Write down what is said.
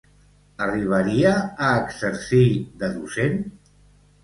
Arribaria a exercir de docent?